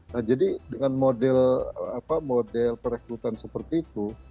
nah jadi dengan model perekrutan seperti itu